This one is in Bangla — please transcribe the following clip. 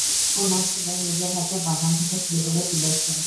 উনার ছেলে নিজের হাতে বাগান থেকে ফুলগুলো তুলেছে!